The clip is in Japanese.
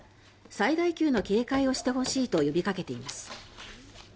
最大級の警戒をしてほしいと呼びかけています。